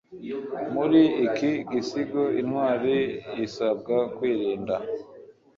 Muri iki gisigo, intwari isabwa kwirinda